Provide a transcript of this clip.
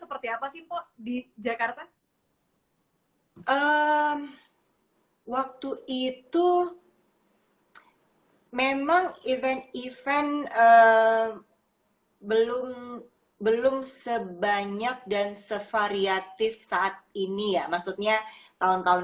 memang event event belum belum sebanyak dan sevariatif saat ini ya maksudnya tahun tahun